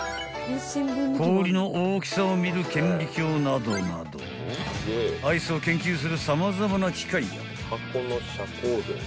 ［氷の大きさを見る顕微鏡などなどアイスを研究する様々な機械や］